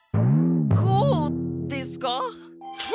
こうですか？